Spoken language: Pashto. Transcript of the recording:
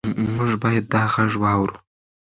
موږ باید دا غږ واورو.